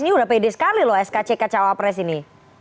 ini udah pede sekali loh skck cawapres ini